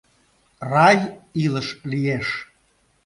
Рай илыш лиеш.